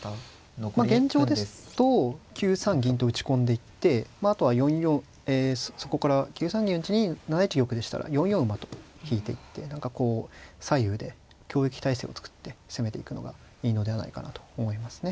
現状ですと９三銀と打ち込んでいってあとはそこから９三銀打に７一玉でしたら４四馬と引いてって何かこう左右で挟撃態勢を作って攻めていくのがいいのではないかなと思いますね。